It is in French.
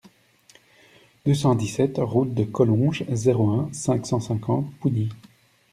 deux cent dix-sept route de Collonges, zéro un, cinq cent cinquante Pougny